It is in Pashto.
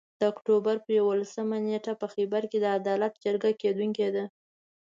د اُکټوبر پر یوولسمه نیټه په خېبر کې د عدالت جرګه کیدونکي ده